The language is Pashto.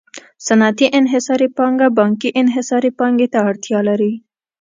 صنعتي انحصاري پانګه بانکي انحصاري پانګې ته اړتیا لري